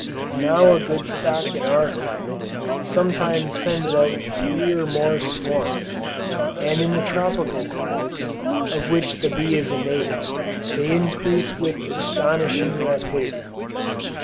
Now a good stock in our climate, sometimes sends out three or more swarms, and in the tropical climates, of which the bee is a native, they increase with astonishing rapidity.